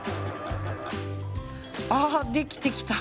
ああ出来てきた。